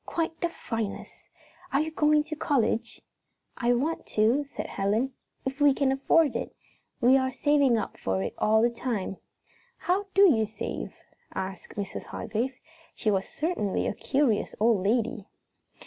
"Quite the finest! Are you going to college?" "I want to," said Helen, "if we can afford it. We are saving up for it all the time." "How do you save?" asked Mrs. Hargrave. She was certainly a curious old lady.